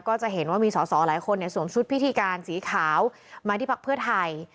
ก็จะเห็นว่ามีสอสอหลายคนสวมชุดพิธีการสีขาวมาที่พักเพื่อไทย